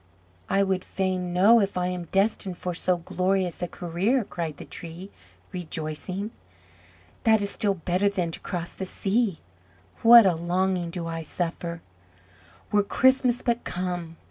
"I would fain know if I am destined for so glorious a career," cried the Tree, rejoicing. "That is still better than to cross the sea! What a longing do I suffer! Were Christmas but come!